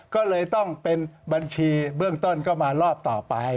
ก็เลยต้องเป็นบัญชีเบื้องต้นก็มารอบต่อไป